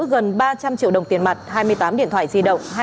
gần ba trăm linh triệu đồng tiền mặt hai mươi tám điện thoại di động